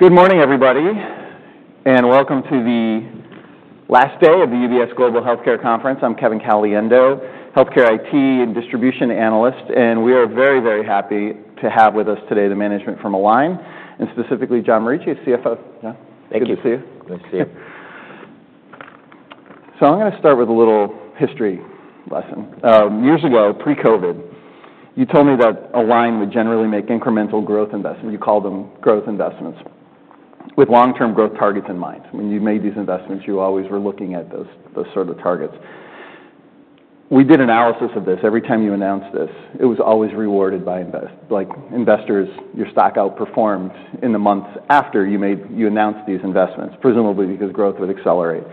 Good morning, everybody, and welcome to the last day of the UBS Global Healthcare Conference. I'm Kevin Caliendo, Healthcare IT and Distribution Analyst, and we are very, very happy to have with us today the management from Align, and specifically John Morici, CFO. John, good to see you. Good to see you. So I'm going to start with a little history lesson. Years ago, pre-COVID, you told me that Align would generally make incremental growth investments. You called them growth investments with long-term growth targets in mind. When you made these investments, you always were looking at those sort of targets. We did analysis of this. Every time you announced this, it was always rewarded by investors. Your stock outperformed in the months after you announced these investments, presumably because growth would accelerate.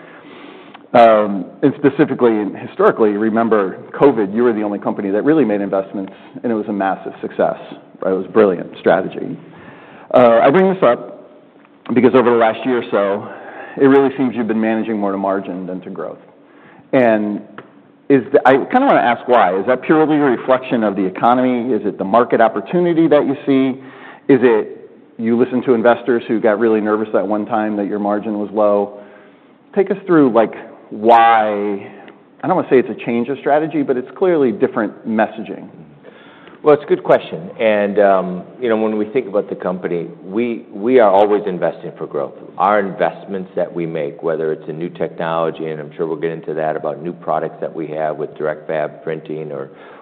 And specifically, historically, remember COVID, you were the only company that really made investments, and it was a massive success. It was a brilliant strategy. I bring this up because over the last year or so, it really seems you've been managing more to margin than to growth. And I kind of want to ask why. Is that purely a reflection of the economy? Is it the market opportunity that you see? Is it you listened to investors who got really nervous that one time that your margin was low? Take us through why. I don't want to say it's a change of strategy, but it's clearly different messaging. It's a good question. When we think about the company, we are always investing for growth. Our investments that we make, whether it's a new technology, and I'm sure we'll get into that about new products that we have with Direct Fab printing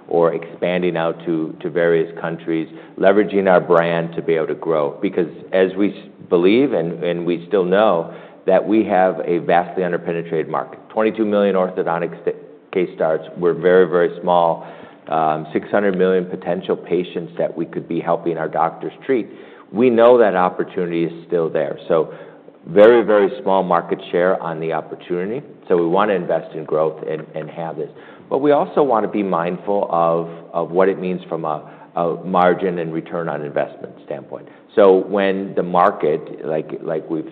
or expanding out to various countries, leveraging our brand to be able to grow. Because as we believe, and we still know, that we have a vastly underpenetrated market. 22 million Orthodontic case starts were very, very small. 600 million potential patients that we could be helping our doctors treat. We know that opportunity is still there. Very, very small market share on the opportunity. We want to invest in growth and have this. But we also want to be mindful of what it means from a margin and return on investment standpoint. So when the market, like we've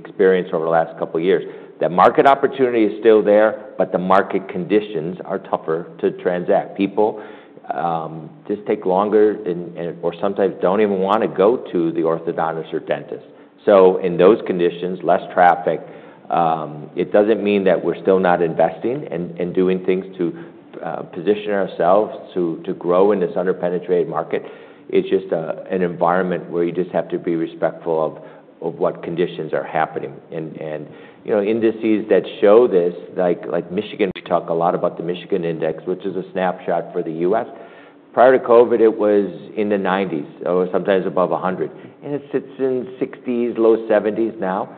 experienced over the last couple of years, that market opportunity is still there, but the market conditions are tougher to transact. People just take longer or sometimes don't even want to go to the orthodontist or dentist. So in those conditions, less traffic, it doesn't mean that we're still not investing and doing things to position ourselves to grow in this underpenetrated market. It's just an environment where you just have to be respectful of what conditions are happening. And indices that show this, like Michigan, we talk a lot about the Michigan Index, which is a snapshot for the US Prior to COVID, it was in the 90s, sometimes above 100. And it sits in 60s, low 70s now.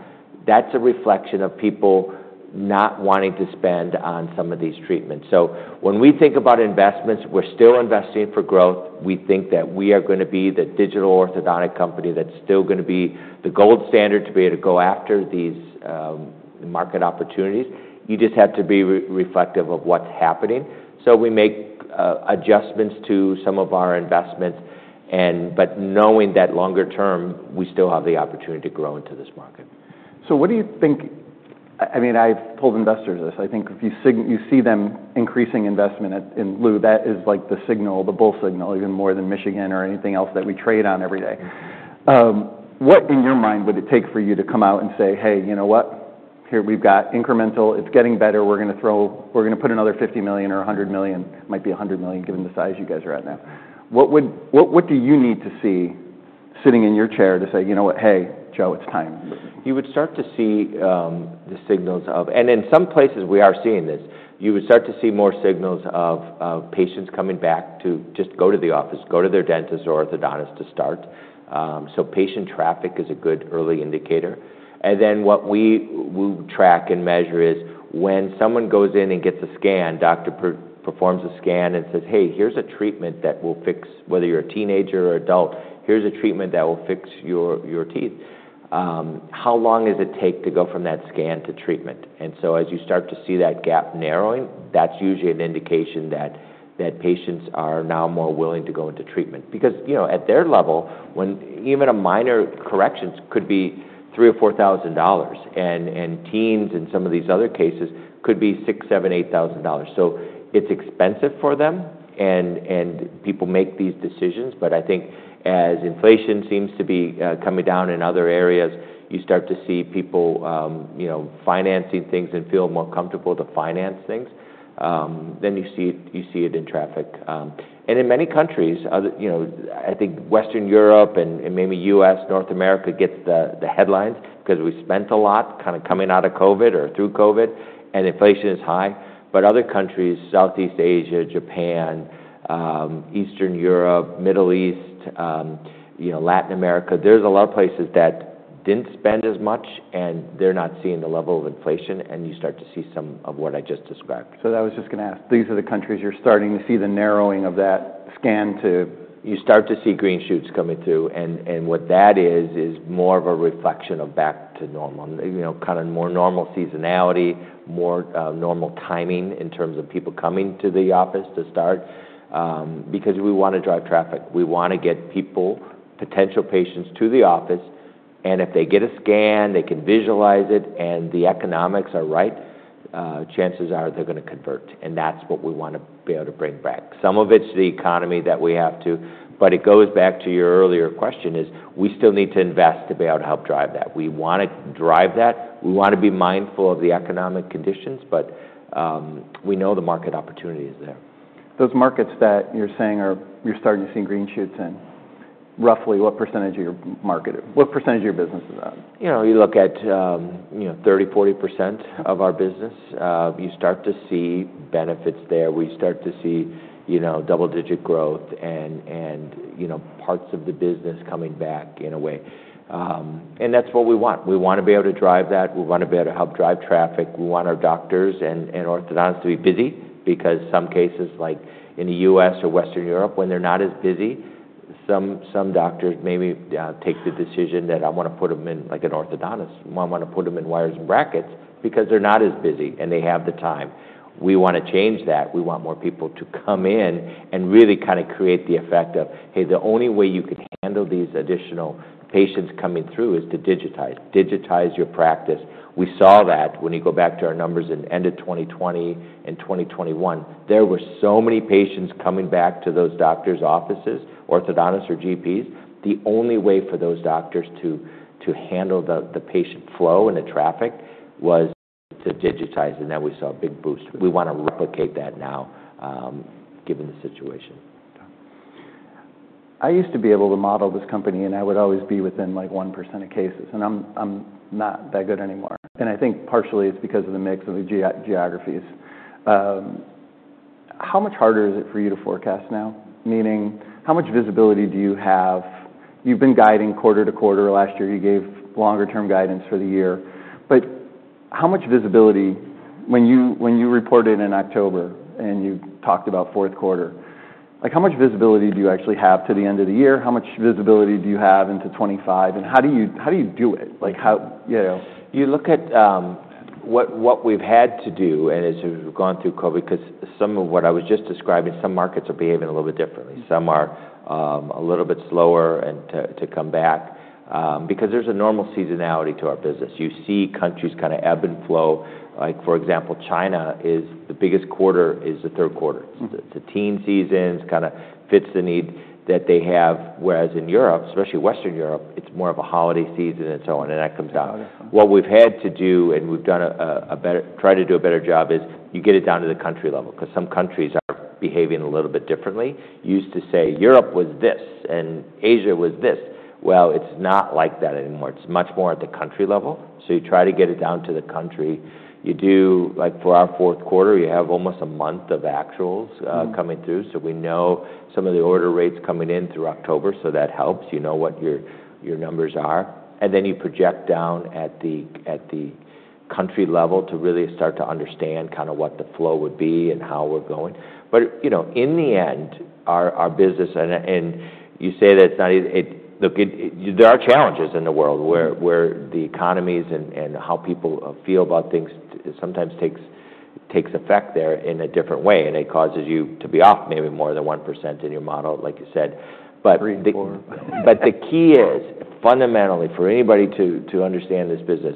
That's a reflection of people not wanting to spend on some of these treatments. When we think about investments, we're still investing for growth. We think that we are going to be the Digital Orthodontic Company that's still going to be the gold standard to be able to go after these Market Opportunities. You just have to be reflective of what's happening. We make adjustments to some of our investments, but knowing that longer term, we still have the opportunity to grow into this market. So what do you think? I mean, I've told investors this. I think if you see them increasing investment in [Lumina], that is like the signal, the bull signal, even more than Michigan or anything else that we trade on every day. What, in your mind, would it take for you to come out and say, "Hey, you know what? Here, we've got incremental. It's getting better. We're going to put another $50 million or $100 million." It might be $100 million given the size you guys are at now. What do you need to see sitting in your chair to say, "You know what? Hey, Joe, it's time"? You would start to see the signals of, and in some places we are seeing this, you would start to see more signals of patients coming back to just go to the office, go to their dentist or orthodontist to start. So patient traffic is a good early indicator. And then what we will track and measure is when someone goes in and gets a scan, doctor performs a scan and says, "Hey, here's a treatment that will fix, whether you're a teenager or adult, here's a treatment that will fix your teeth." How long does it take to go from that scan to treatment? And so as you start to see that gap narrowing, that's usually an indication that patients are now more willing to go into treatment. Because at their level, even a minor correction could be $3,000-$4,000. And teens and some of these other cases could be $6,000, $7,000, $8,000. So it's expensive for them, and people make these decisions. But I think as inflation seems to be coming down in other areas, you start to see people financing things and feel more comfortable to finance things. Then you see it in traffic. And in many countries, I think Western Europe and maybe US, North America gets the headlines because we spent a lot kind of coming out of COVID or through COVID, and inflation is high. But other countries, Southeast Asia, Japan, Eastern Europe, Middle East, Latin America, there's a lot of places that didn't spend as much, and they're not seeing the level of inflation, and you start to see some of what I just described. I was just going to ask. These are the countries you're starting to see the narrowing of that scan to treatment? You start to see green shoots coming through, and what that is, is more of a reflection of back to normal, kind of more normal seasonality, more normal timing in terms of people coming to the office to start. Because we want to drive Traffic. We want to get people, potential patients to the office, and if they get a scan, they can visualize it, and the economics are right, chances are they're going to convert, and that's what we want to be able to bring back. Some of it's the Economy that we have to, but it goes back to your earlier question is we still need to invest to be able to help drive that. We want to drive that. We want to be mindful of the Economic Conditions, but we know the Market Opportunity is there. Those markets that you're saying you're starting to see green shoots in, roughly what % of your market, what % of your business is that? You look at 30%-40% of our business. You start to see benefits there. We start to see double-digit growth and parts of the business coming back in a way. And that's what we want. We want to be able to drive that. We want to be able to help drive traffic. We want our doctors and orthodontists to be busy because some cases, like in the US or Western Europe, when they're not as busy, some doctors maybe take the decision that I want to put them in like an orthodontist. I want to put them in wires and brackets because they're not as busy and they have the time. We want to change that. We want more people to come in and really kind of create the effect of, hey, the only way you can handle these additional patients coming through is to digitize. Digitize your practice. We saw that when you go back to our numbers in the end of 2020 and 2021, there were so many patients coming back to those doctors' offices, orthodontists or GPs. The only way for those doctors to handle the patient flow and the traffic was to digitize, and then we saw a big boost. We want to replicate that now given the situation. I used to be able to model this company, and I would always be within like 1% of cases. And I'm not that good anymore. And I think partially it's because of the mix of the geographies. How much harder is it for you to forecast now? Meaning, how much visibility do you have? You've been guiding quarter to quarter. Last year, you gave longer-term guidance for the year. But how much visibility when you reported in October and you talked about fourth quarter, how much visibility do you actually have to the end of the year? How much visibility do you have into 2025? And how do you do it? You look at what we've had to do, and as we've gone through COVID, because some of what I was just describing, some markets are behaving a little bit differently. Some are a little bit slower to come back because there's a normal seasonality to our business. You see countries kind of ebb and flow. For example, China is the biggest quarter is the third quarter. It's a teen season. It kind of fits the need that they have. Whereas in Europe, especially Western Europe, it's more of a holiday season and so on, and that comes out. What we've had to do, and we've tried to do a better job, is you get it down to the country level because some countries are behaving a little bit differently. You used to say Europe was this and Asia was this. Well, it's not like that anymore. It's much more at the country level. So you try to get it down to the country. For our fourth quarter, you have almost a month of actuals coming through. So we know some of the order rates coming in through October. So that helps. You know what your numbers are. And then you project down at the country level to really start to understand kind of what the flow would be and how we're going. But in the end, our business, and you say that it's not easy. There are challenges in the world where the economies and how people feel about things sometimes takes effect there in a different way. And it causes you to be off maybe more than 1% in your model, like you said. But the key is fundamentally for anybody to understand this business,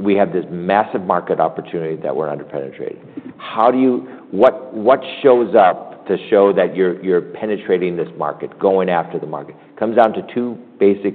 we have this massive market opportunity that we're underpenetrating. What shows up to show that you're penetrating this market, going after the market, comes down to two basic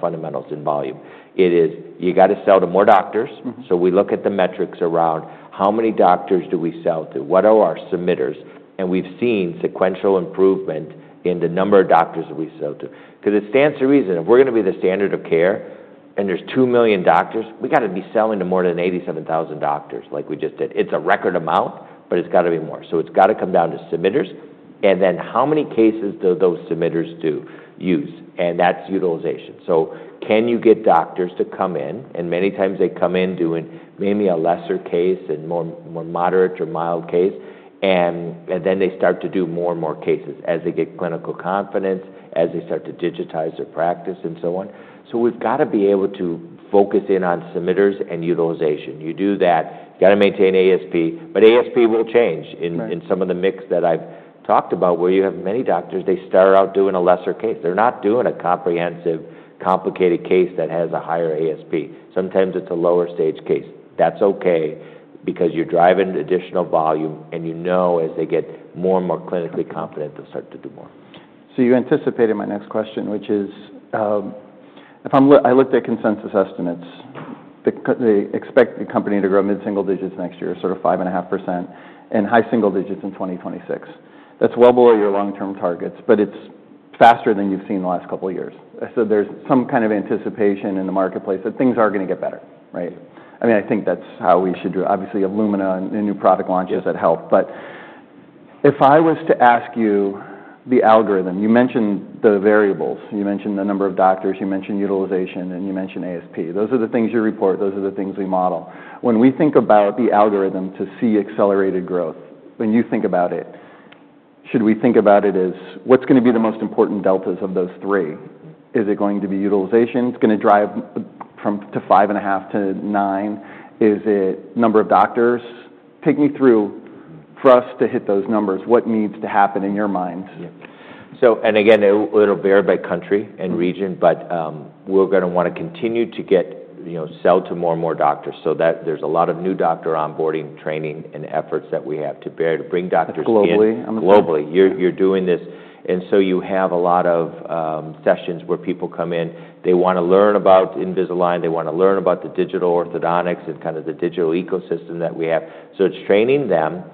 fundamentals in volume. It is, you got to sell to more doctors. So we look at the metrics around how many doctors do we sell to, what are our submitters. And we've seen sequential improvement in the number of doctors that we sell to. Because it stands to reason. If we're going to be the standard of care and there's two million doctors, we got to be selling to more than 87,000 doctors like we just did. It's a record amount, but it's got to be more. So it's got to come down to submitters. And then how many cases do those submitters use? And that's utilization. So can you get doctors to come in? And many times they come in doing maybe a lesser case and more moderate or mild case. And then they start to do more and more cases as they get clinical confidence, as they start to digitize their practice and so on. So we've got to be able to focus in on submitters and utilization. You do that. You got to maintain ASP. But ASP will change in some of the mix that I've talked about where you have many doctors. They start out doing a lesser case. They're not doing a comprehensive, complicated case that has a higher ASP. Sometimes it's a lower stage case. That's okay because you're driving additional volume. And you know as they get more and more clinically confident, they'll start to do more. So you anticipated my next question, which is, I looked at consensus estimates. They expect the company to grow mid-single digits next year, sort of 5.5%, and high single digits in 2026. That's well below your long-term targets, but it's faster than you've seen the last couple of years. So there's some kind of anticipation in the marketplace that things are going to get better, right? I mean, I think that's how we should do it. Obviously, Lumina and new product launches that help. But if I was to ask you the algorithm, you mentioned the variables. You mentioned the number of doctors. You mentioned utilization. And you mentioned ASP. Those are the things you report. Those are the things we model. When we think about the algorithm to see accelerated growth, when you think about it, should we think about it as what's going to be the most important deltas of those three? Is it going to be utilization? It's going to drive from 5.5 to 9. Is it number of doctors? Take me through for us to hit those numbers, what needs to happen in your mind? Again, it'll vary by country and region, but we're going to want to continue to sell to more and more doctors. There's a lot of new doctor onboarding, training, and efforts that we have to bring doctors globally. You're doing this. You have a lot of sessions where people come in. They want to learn about Invisalign. They want to learn about the digital orthodontics and kind of the digital ecosystem that we have. It's training them.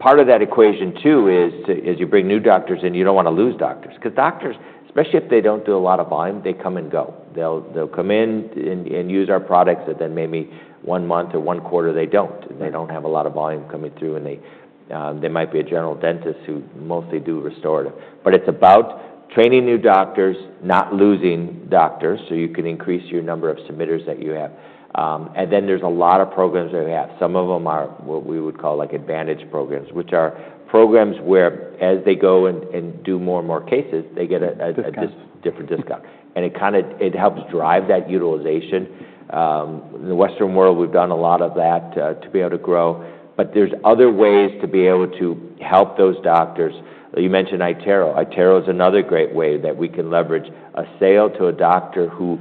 Part of that equation too is as you bring new doctors in, you don't want to lose doctors. Because doctors, especially if they don't do a lot of volume, they come and go. They'll come in and use our products, and then maybe one month or one quarter, they don't. They don't have a lot of volume coming through. And there might be a general dentist who mostly do restorative. But it's about training new doctors, not losing doctors, so you can increase your number of submitters that you have. And then there's a lot of programs that we have. Some of them are what we would call advantage programs, which are programs where as they go and do more and more cases, they get a different discount. And it helps drive that utilization. In the Western world, we've done a lot of that to be able to grow. But there's other ways to be able to help those doctors. You mentioned iTero. iTero is another great way that we can leverage a sale to a doctor who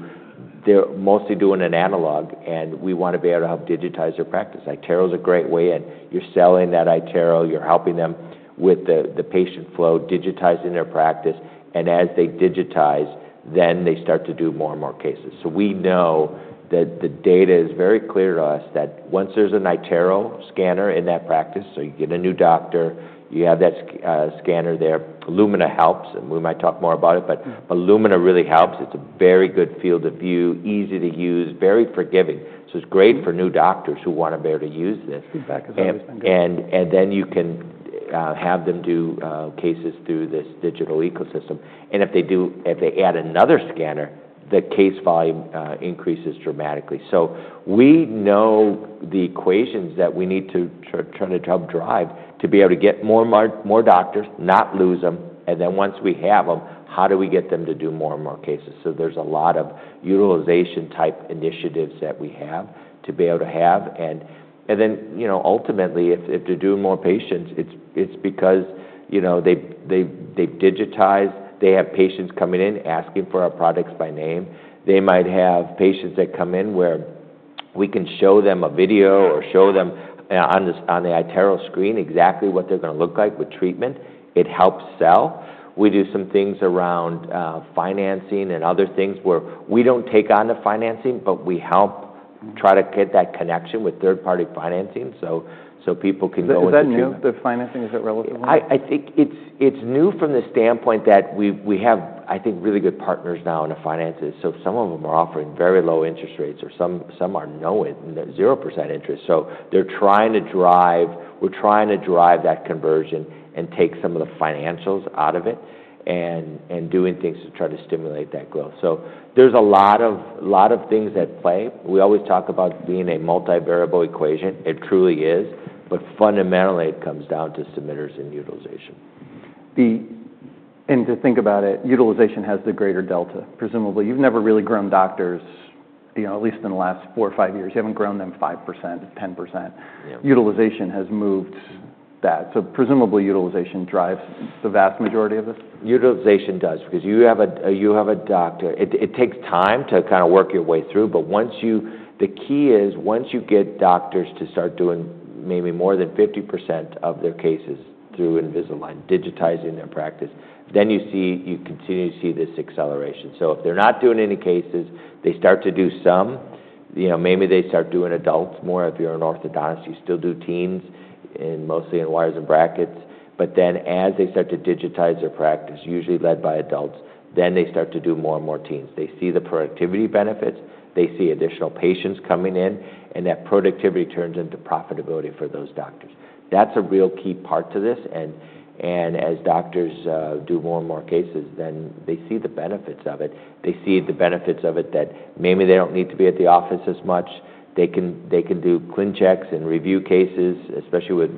they're mostly doing an analog, and we want to be able to help digitize their practice. iTero is a great way. And you're selling that iTero. You're helping them with the patient flow, digitizing their practice. And as they digitize, then they start to do more and more cases. So we know that the data is very clear to us that once there's an iTero scanner in that practice, so you get a new doctor, you have that scanner there. iTero Lumina helps, and we might talk more about it, but iTero Lumina really helps. It's a very good field of view, easy to use, very forgiving. So it's great for new doctors who want to be able to use this. Feedback is always good. And then you can have them do cases through this digital ecosystem. And if they add another scanner, the case volume increases dramatically. So we know the equations that we need to try to help drive to be able to get more doctors, not lose them. And then once we have them, how do we get them to do more and more cases? So there's a lot of utilization type initiatives that we have to be able to have. And then ultimately, if they're doing more patients, it's because they've digitized. They have patients coming in asking for our products by name. They might have patients that come in where we can show them a video or show them on the iTero screen exactly what they're going to look like with treatment. It helps sell. We do some things around financing and other things where we don't take on the financing, but we help try to get that connection with third-party financing so people can go and see. Is that new? The financing is at a relatively low? I think it's new from the standpoint that we have, I think, really good partners now in the finances, so some of them are offering very low interest rates, or some are 0% interest, so they're trying to drive that conversion and take some of the financials out of it and doing things to try to stimulate that growth, so there's a lot of things at play. We always talk about being a multi-variable equation, it truly is, but fundamentally, it comes down to submitters and utilization. And to think about it, utilization has the greater delta. Presumably, you've never really grown doctors, at least in the last four or five years. You haven't grown them 5%, 10%. Utilization has moved that. So presumably, utilization drives the vast majority of this. Utilization does because you have a doctor. It takes time to kind of work your way through. But the key is once you get doctors to start doing maybe more than 50% of their cases through Invisalign, digitizing their practice, then you continue to see this acceleration. So if they're not doing any cases, they start to do some. Maybe they start doing adults more. If you're an orthodontist, you still do teens, mostly in wires and brackets. But then as they start to digitize their practice, usually led by adults, then they start to do more and more teens. They see the productivity benefits. They see additional patients coming in. And that productivity turns into profitability for those doctors. That's a real key part to this. And as doctors do more and more cases, then they see the benefits of it. They see the benefits of it that maybe they don't need to be at the office as much. They can do ClinCheck and review cases, especially with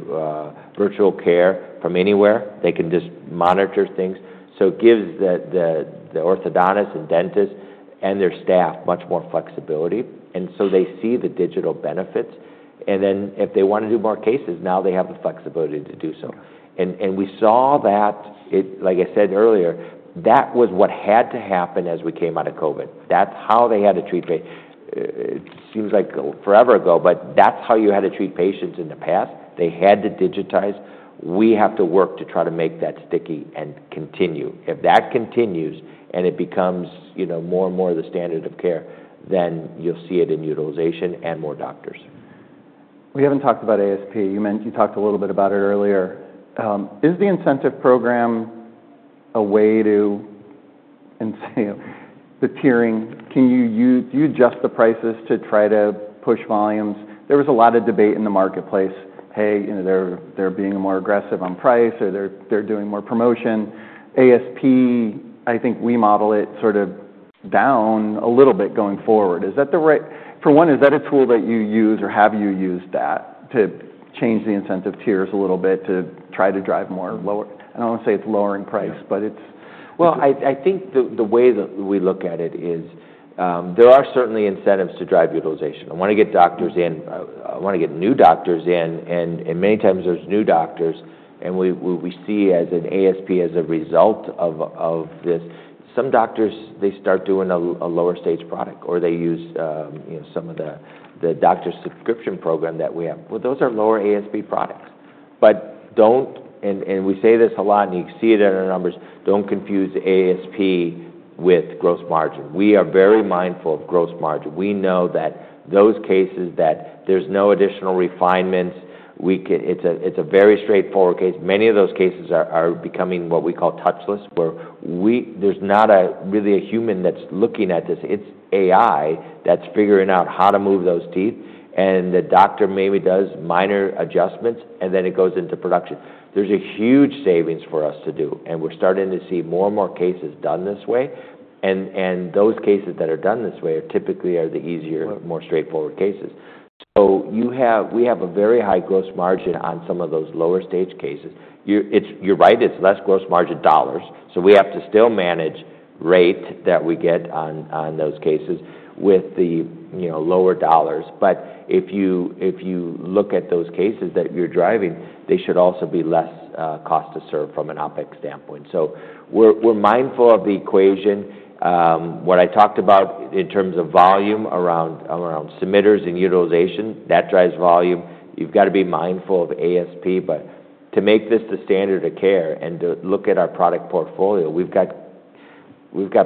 virtual care from anywhere. They can just monitor things. So it gives the orthodontist and dentist and their staff much more flexibility. And so they see the digital benefits. And then if they want to do more cases, now they have the flexibility to do so. And we saw that, like I said earlier, that was what had to happen as we came out of COVID. That's how they had to treat patients. It seems like forever ago, but that's how you had to treat patients in the past. They had to digitize. We have to work to try to make that sticky and continue. If that continues and it becomes more and more the standard of care, then you'll see it in utilization and more doctors. We haven't talked about ASP. You talked a little bit about it earlier. Is the incentive program a way to the tiering? Do you adjust the prices to try to push volumes? There was a lot of debate in the marketplace. Hey, they're being more aggressive on price or they're doing more promotion. ASP, I think we model it sort of down a little bit going forward. For one, is that a tool that you use or have you used that to change the incentive tiers a little bit to try to drive more? I don't want to say it's lowering price, but it's. I think the way that we look at it is there are certainly incentives to drive utilization. I want to get doctors in. I want to get new doctors in. And many times there's new doctors. And we see ASP as a result of this. Some doctors, they start doing a lower stage product or they use some of the doctor's subscription program that we have. Well, those are lower ASP products. And we say this a lot, and you see it in our numbers. Don't confuse ASP with gross margin. We are very mindful of gross margin. We know that those cases that there's no additional refinements, it's a very straightforward case. Many of those cases are becoming what we call touchless, where there's not really a human that's looking at this. It's AI that's figuring out how to move those teeth. And the doctor maybe does minor adjustments, and then it goes into production. There's a huge savings for us to do. And we're starting to see more and more cases done this way. And those cases that are done this way are typically the easier, more straightforward cases. So we have a very high gross margin on some of those lower stage cases. You're right. It's less gross margin dollars. So we have to still manage rate that we get on those cases with the lower dollars. But if you look at those cases that you're driving, they should also be less cost to serve from an Opex standpoint. So we're mindful of the equation. What I talked about in terms of volume around submitters and utilization, that drives volume. You've got to be mindful of ASP. But to make this the standard of care and to look at our product portfolio, we've got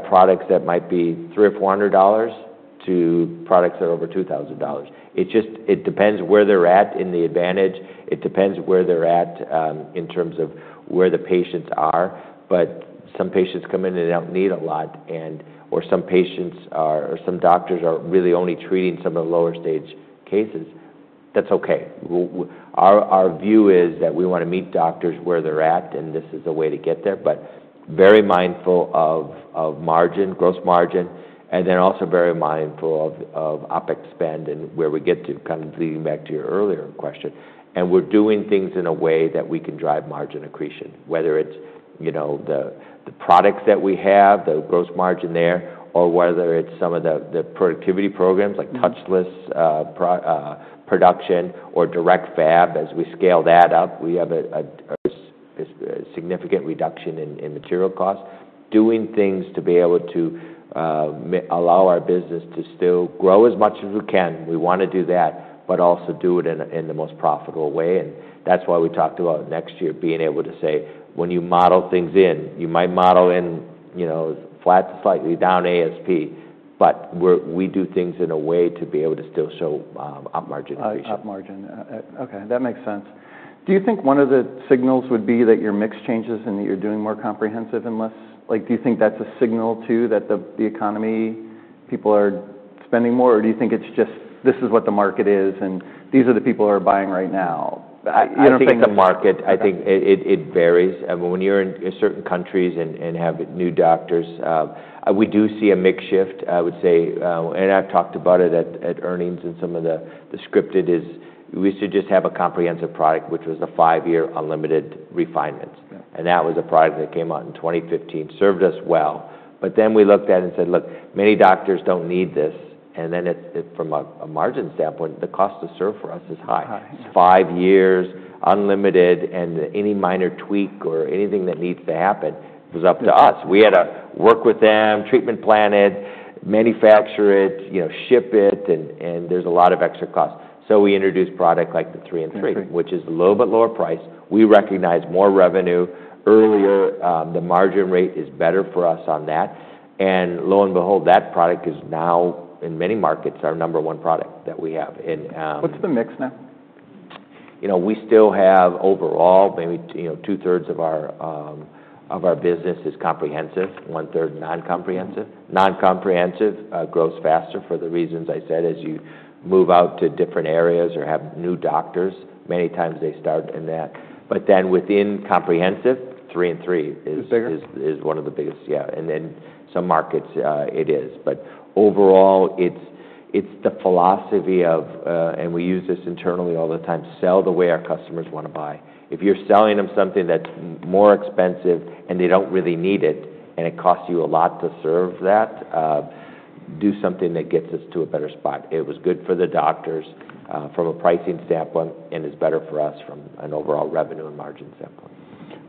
products that might be $300 or $400 to products that are over $2,000. It depends where they're at in the advantage. It depends where they're at in terms of where the patients are. But some patients come in and don't need a lot, or some patients or some doctors are really only treating some of the lower stage cases. That's okay. Our view is that we want to meet doctors where they're at, and this is a way to get there. But very mindful of gross margin, and then also very mindful of Opex spend and where we get to, kind of leading back to your earlier question. We're doing things in a way that we can drive margin accretion, whether it's the products that we have, the gross margin there, or whether it's some of the productivity programs like touchless production or direct fab. As we scale that up, we have a significant reduction in material costs, doing things to be able to allow our business to still grow as much as we can. We want to do that, but also do it in the most profitable way. That's why we talked about next year being able to say, when you model things in, you might model in flat, slightly down ASP, but we do things in a way to be able to still show up margin accretion. Gross margin. Okay. That makes sense. Do you think one of the signals would be that your mix changes and that you're doing more comprehensive and less? Do you think that's a signal too that the economy, people are spending more? Or do you think it's just, this is what the market is, and these are the people who are buying right now? I think the market, I think it varies. When you're in certain countries and have new doctors, we do see a mix shift. I would say, and I've talked about it at earnings and some of the scripted is we used to just have a comprehensive product, which was the five-year unlimited refinements, and that was a product that came out in 2015, served us well, but then we looked at it and said, look, many doctors don't need this, and then from a margin standpoint, the cost to serve for us is high. It's five years, unlimited, and any minor tweak or anything that needs to happen was up to us. We had to work with them, treatment plan it, manufacture it, ship it, and there's a lot of extra costs, so we introduced product like the three and three, which is a little bit lower price. We recognize more revenue earlier. The margin rate is better for us on that, and lo and behold, that product is now in many markets our number one product that we have. What's the mix now? We still have overall maybe two-thirds of our business is comprehensive, one-third non-comprehensive. Non-comprehensive grows faster for the reasons I said. As you move out to different areas or have new doctors, many times they start in that, but then within comprehensive, three and three is one of the biggest. Yeah, and then some markets, it is, but overall, it's the philosophy of, and we use this internally all the time, sell the way our customers want to buy. If you're selling them something that's more expensive and they don't really need it, and it costs you a lot to serve that, do something that gets us to a better spot. It was good for the doctors from a pricing standpoint and is better for us from an overall revenue and margin standpoint.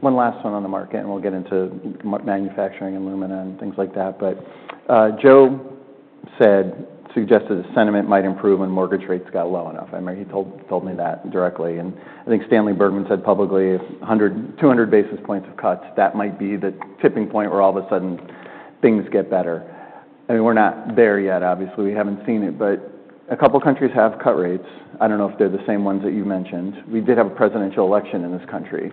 One last one on the market, and we'll get into manufacturing and Lumina and things like that. But Joe said, suggested the sentiment might improve when mortgage rates got low enough. I remember he told me that directly. And I think Stanley Bergman said publicly, 200 basis points of cuts, that might be the tipping point where all of a sudden things get better. I mean, we're not there yet, obviously. We haven't seen it. But a couple of countries have cut rates. I don't know if they're the same ones that you've mentioned. We did have a presidential election in this country.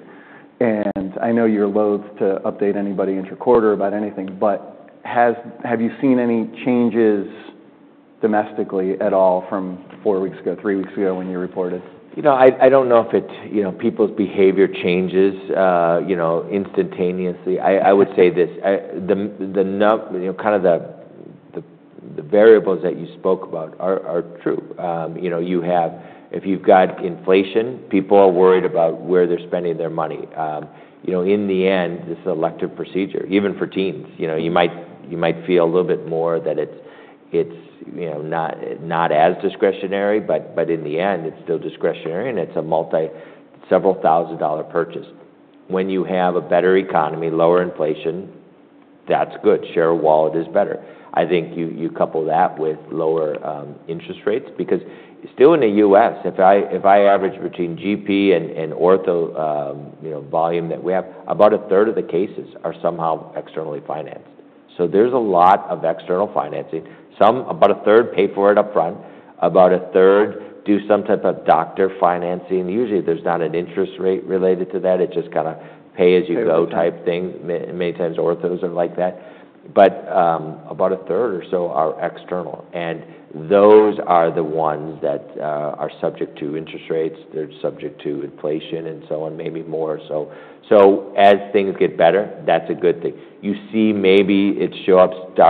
And I know you're loath to update anybody interquarter about anything, but have you seen any changes domestically at all from four weeks ago, three weeks ago when you reported? I don't know if people's behavior changes instantaneously. I would say this. Kind of the variables that you spoke about are true. If you've got inflation, people are worried about where they're spending their money. In the end, this is an elective procedure. Even for teens, you might feel a little bit more that it's not as discretionary, but in the end, it's still discretionary, and it's a multi-several thousand-dollar purchase. When you have a better economy, lower inflation, that's good. Share of wallet is better. I think you couple that with lower interest rates because still in the US, if I average between GP and Ortho volume that we have, about a third of the cases are somehow externally financed. So there's a lot of external financing. Some, about a third, pay for it upfront. About a third do some type of doctor financing. Usually, there's not an interest rate related to that. It's just kind of pay as you go type thing. Many times ortho's are like that, but about a third or so are external. And those are the ones that are subject to interest rates. They're subject to inflation and so on, maybe more. So as things get better, that's a good thing. You see maybe it's starting to show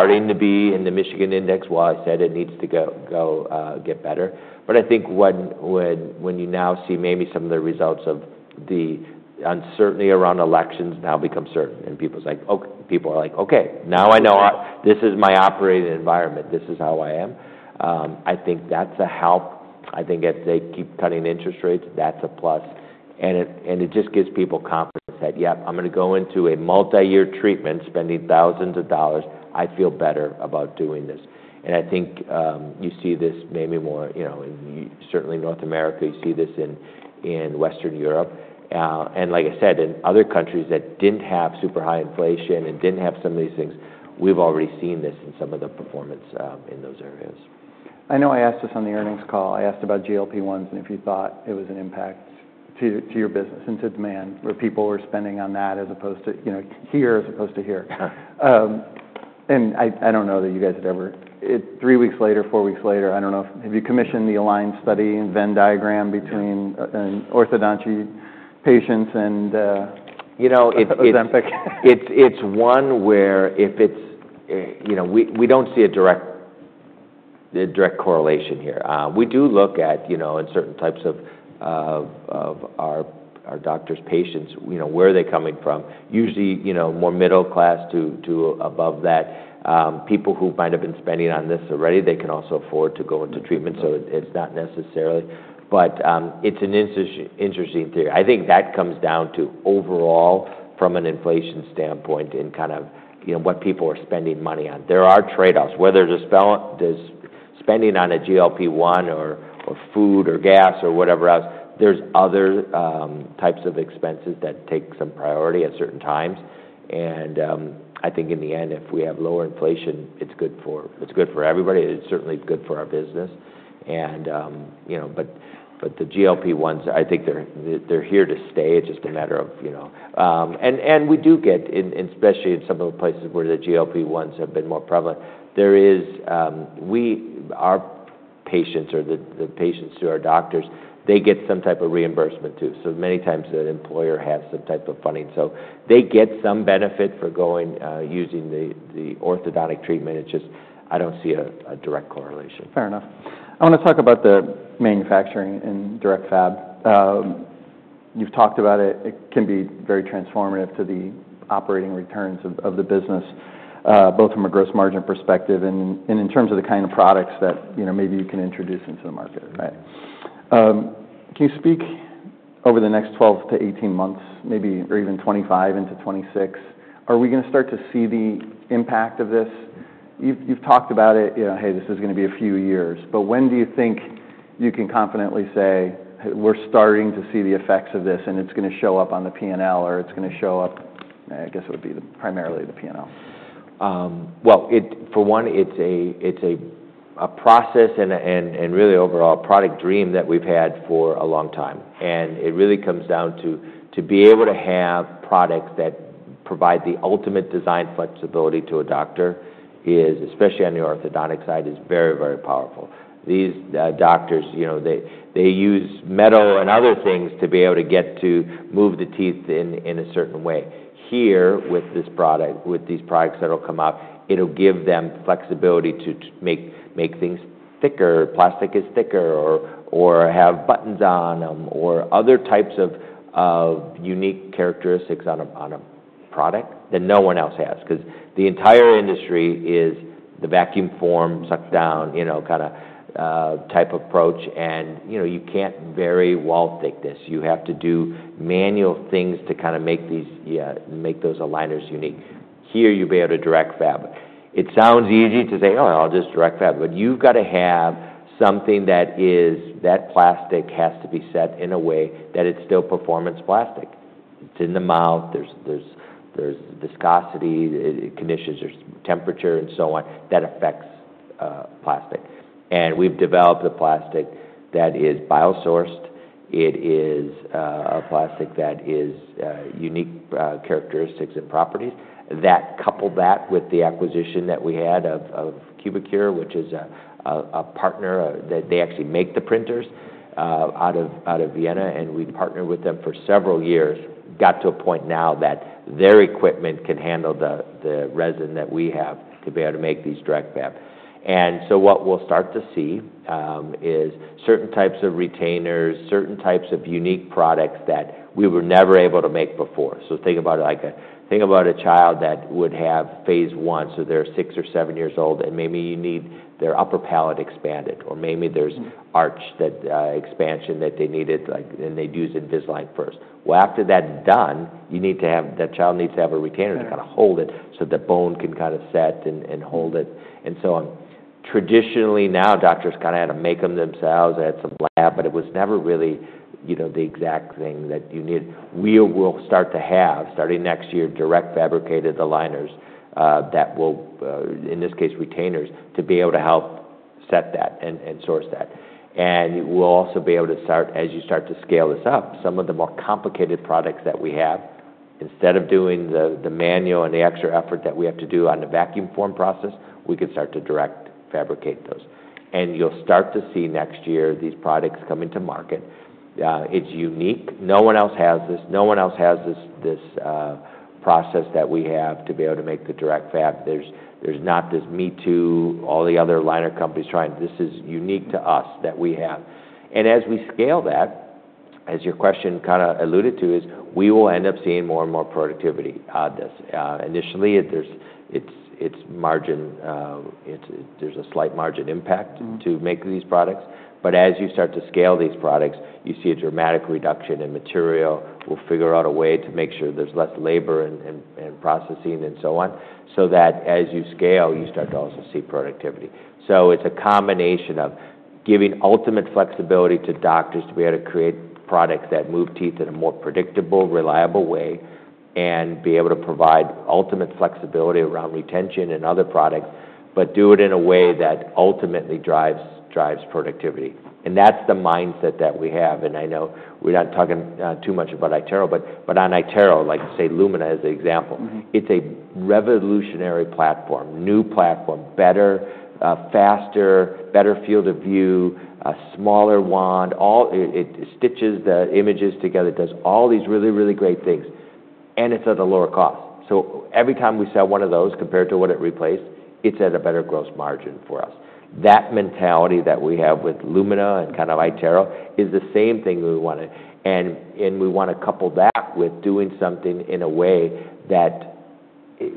up in the Michigan Index. Well, I said it needs to get better, but I think when you now see maybe some of the results of the uncertainty around elections now become certain. And people are like, okay, now I know this is my operating environment. This is how I am. I think that's a help. I think if they keep cutting interest rates, that's a plus. It just gives people confidence that, yep, I'm going to go into a multi-year treatment, spending thousands of dollars. I feel better about doing this. I think you see this maybe more in certainly North America. You see this in Western Europe. Like I said, in other countries that didn't have super high inflation and didn't have some of these things, we've already seen this in some of the performance in those areas. I know I asked this on the earnings call. I asked about GLP-1s and if you thought it was an impact to your business and to demand where people were spending on that as opposed to here as opposed to here. And I don't know that you guys had ever three weeks later, four weeks later, I don't know. Have you commissioned the Align study and Venn diagram between orthodontic patients and Ozempic? It's one where if it's we don't see a direct correlation here. We do look at in certain types of our doctor's patients, where are they coming from? Usually more middle class to above that. People who might have been spending on this already, they can also afford to go into treatment. So it's not necessarily. But it's an interesting theory. I think that comes down to overall from an inflation standpoint and kind of what people are spending money on. There are trade-offs. Whether there's spending on a GLP-1 or food or gas or whatever else, there's other types of expenses that take some priority at certain times, and I think in the end, if we have lower inflation, it's good for everybody. It's certainly good for our business, but the GLP-1s, I think they're here to stay. It's just a matter of. And we do get, especially in some of the places where the GLP-1s have been more prevalent, our patients or the patients to our doctors, they get some type of reimbursement too. So many times the employer has some type of funding. So they get some benefit for using the orthodontic treatment. It's just I don't see a direct correlation. Fair enough. I want to talk about the manufacturing and direct fab. You've talked about it. It can be very transformative to the operating returns of the business, both from a gross margin perspective and in terms of the kind of products that maybe you can introduce into the market, right? Can you speak over the next 12-18 months, maybe or even 2025 into 2026, are we going to start to see the impact of this? You've talked about it, hey, this is going to be a few years. But when do you think you can confidently say, we're starting to see the effects of this and it's going to show up on the P&L or it's going to show up, I guess it would be primarily the P&L? For one, it's a process and really overall product dream that we've had for a long time. It really comes down to being able to have products that provide the ultimate design flexibility to a doctor, especially on the orthodontic side, is very, very powerful. These doctors, they use metal and other things to be able to get to move the teeth in a certain way. Here, with these products that will come out, it'll give them flexibility to make things thicker, plastic is thicker, or have buttons on them or other types of unique characteristics on a product that no one else has. Because the entire industry is the vacuum form, suck down kind of type approach. You can't vary wall thickness. You have to do manual things to kind of make those aligners unique. Here, you'll be able to direct fab. It sounds easy to say, oh, I'll just direct fab. But you've got to have something that is that plastic has to be set in a way that it's still performance plastic. It's in the mouth. There's viscosity, conditions, there's temperature and so on that affects plastic. And we've developed a plastic that is biosourced. It is a plastic that has unique characteristics and properties. That coupled that with the acquisition that we had of Cubicure, which is a partner. They actually make the printers out of Vienna. And we partnered with them for several years, got to a point now that their equipment can handle the resin that we have to be able to make these direct fab. And so what we'll start to see is certain types of retainers, certain types of unique products that we were never able to make before. So think about it like, think about a child that would have phase one. They're six or seven years old, and maybe you need their upper palate expanded, or maybe there's arch expansion that they needed, and they'd use Invisalign first. Well, after that's done, you need to have that child needs to have a retainer to kind of hold it so the bone can kind of set and hold it and so on. Traditionally now, doctors kind of had to make them themselves, had some lab, but it was never really the exact thing that you needed. We will start to have, starting next year, direct fabricated aligners that will, in this case, retainers to be able to help set that and source that. We'll also be able to start, as you start to scale this up, some of the more complicated products that we have, instead of doing the manual and the extra effort that we have to do on the vacuum form process, we can start to direct fabricate those. You'll start to see next year these products coming to market. It's unique. No one else has this. No one else has this process that we have to be able to make the direct fab. There's not this me too, all the other aligner companies trying. This is unique to us that we have. As we scale that, as your question kind of alluded to, we will end up seeing more and more productivity on this. Initially, there's a slight margin impact to make these products. But as you start to scale these products, you see a dramatic reduction in material. We'll figure out a way to make sure there's less labor and processing and so on, so that as you scale, you start to also see productivity. So it's a combination of giving ultimate flexibility to doctors to be able to create products that move teeth in a more predictable, reliable way and be able to provide ultimate flexibility around retention and other products, but do it in a way that ultimately drives productivity. And that's the mindset that we have. And I know we're not talking too much about iTero, but on iTero, like I say, Lumina as an example, it's a revolutionary platform, new platform, better, faster, better field of view, smaller wand. It stitches the images together, does all these really, really great things. And it's at a lower cost. So every time we sell one of those compared to what it replaced, it's at a better gross margin for us. That mentality that we have with Lumina and kind of iTero is the same thing we want to. And we want to couple that with doing something in a way that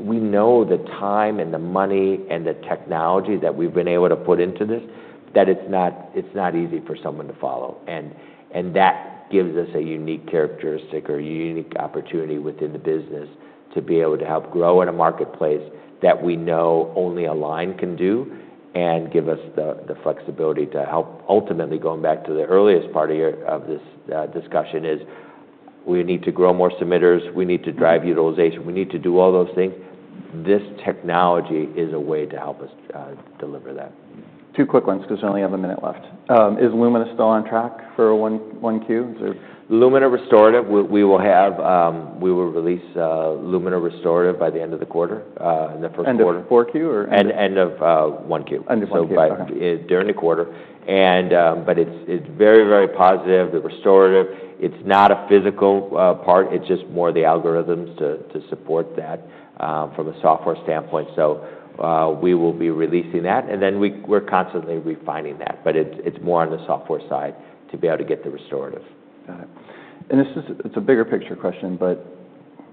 we know the time and the money and the technology that we've been able to put into this, that it's not easy for someone to follow. And that gives us a unique characteristic or unique opportunity within the business to be able to help grow in a marketplace that we know only Align can do and give us the flexibility to help ultimately going back to the earliest part of this discussion is we need to grow more submitters. We need to drive utilization. We need to do all those things. This technology is a way to help us deliver that. Two quick ones because we only have a minute left. Is Lumina still on track for Q1? Lumina Restorative, we will release Lumina Restorative by the end of the quarter, in the first quarter. End of Q4 or? End of Q1, so by during the quarter, but it's very, very positive. The Restorative. It's not a physical part. It's just more the algorithms to support that from a software standpoint, so we will be releasing that, and then we're constantly refining that, but it's more on the software side to be able to get the Restorative. Got it. And this is a bigger picture question, but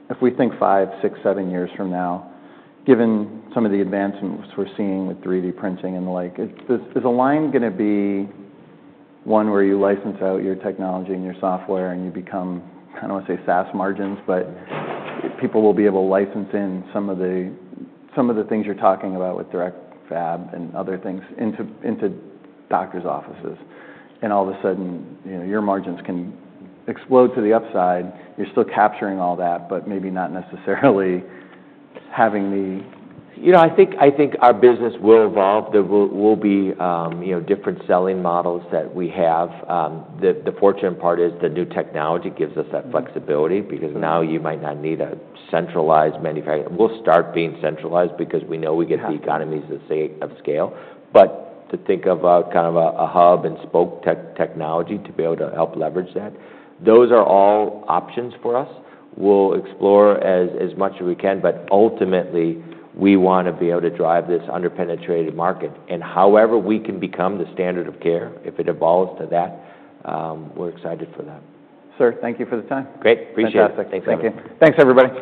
if we think five, six, seven years from now, given some of the advancements we're seeing with 3D printing and the like, is Align going to be one where you license out your technology and your software and you become, I don't want to say SaaS margins, but people will be able to license in some of the things you're talking about with direct fab and other things into doctor's offices? And all of a sudden, your margins can explode to the upside. You're still capturing all that, but maybe not necessarily having the. I think our business will evolve. There will be different selling models that we have. The fortunate part is the new technology gives us that flexibility because now you might not need a centralized manufacturing. We'll start being centralized because we know we get the economies of scale. But to think about kind of a hub and spoke technology to be able to help leverage that, those are all options for us. We'll explore as much as we can, but ultimately, we want to be able to drive this underpenetrated market. And however we can become the standard of care, if it evolves to that, we're excited for that. Sir, thank you for the time. Great. Appreciate it. Fantastic. Thank you. Thanks, everybody.